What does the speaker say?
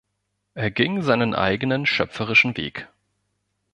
Er ging seinen eigenen schöpferischen Weg.